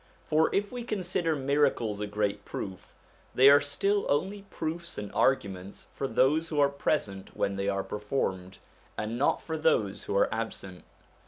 For, if we consider miracles a great proof, they are still only proofs and arguments for those who are present when they are performed, and not for those who are absent.